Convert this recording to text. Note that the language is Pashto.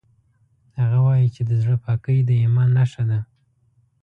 هغه وایي چې د زړه پاکۍ د ایمان نښه ده